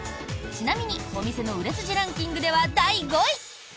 ちなみにお店の売れ筋ランキングでは第５位。